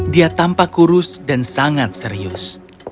dia tampak kurus dan sangat serius